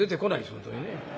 本当にね。